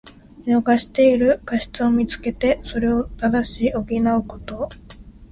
見逃している過失をみつけて、それを正し補うこと。